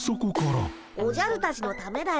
おじゃるたちのためだよ。